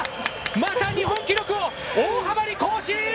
また日本記録を大幅に更新！